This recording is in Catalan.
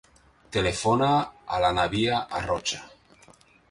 Telefona a l'Anabia Arrocha.